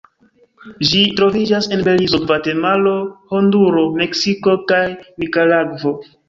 Ĝi troviĝas en Belizo, Gvatemalo, Honduro, Meksiko kaj Nikaragvo.